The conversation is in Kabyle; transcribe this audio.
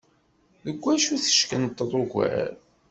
Deg wacu teckenṭḍeḍ ugar?